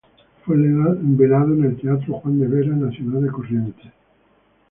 Fue velado en el teatro Juan de Vera, en la ciudad de Corrientes.